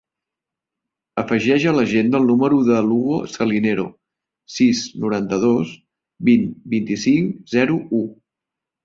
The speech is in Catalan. Afegeix a l'agenda el número de l'Hugo Salinero: sis, noranta-dos, vint, vint-i-cinc, zero, u.